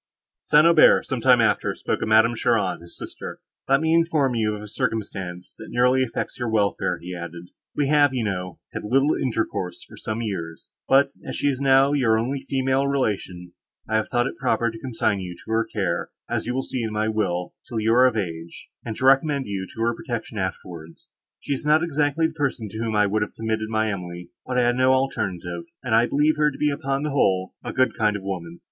St. Aubert, some time after, spoke of Madame Cheron, his sister. "Let me inform you of a circumstance, that nearly affects your welfare," he added. "We have, you know, had little intercourse for some years, but, as she is now your only female relation, I have thought it proper to consign you to her care, as you will see in my will, till you are of age, and to recommend you to her protection afterwards. She is not exactly the person, to whom I would have committed my Emily, but I had no alternative, and I believe her to be upon the whole—a good kind of woman.